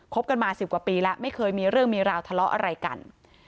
บกันมา๑๐กว่าปีแล้วไม่เคยมีเรื่องมีราวทะเลาะอะไรกัน